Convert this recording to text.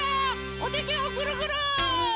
おててをぐるぐる！